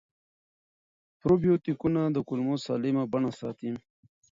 پروبیوتیکونه د کولمو سالمه بڼه ساتي.